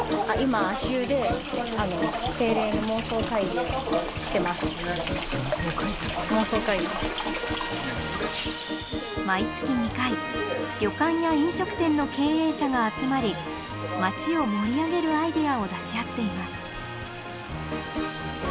あ今毎月２回旅館や飲食店の経営者が集まり町を盛り上げるアイデアを出し合っています